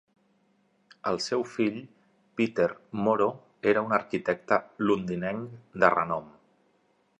El seu fill, Peter Moro, era un arquitecte londinenc de renom.